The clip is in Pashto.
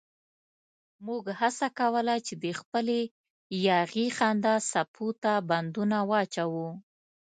موږ هڅه کوله چې د خپلې یاغي خندا څپو ته بندونه واچوو.